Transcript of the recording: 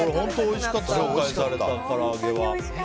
紹介されたから揚げは。